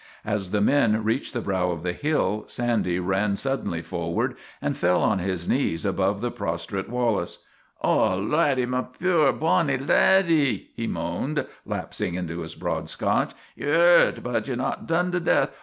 As the men reached the brow of the hill Sandy ran suddenly forward and fell on his knees above the prostrate Wallace. ' Oh, laddie ! my puir, bonny laddie! " he moaned, lapsing into his broad Scotch. " Ye 're hurt, but ye 're not done to death!